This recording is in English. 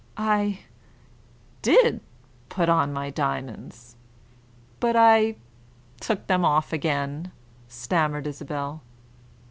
"I did put on my diamonds; but I took them off again," stammered Isabel.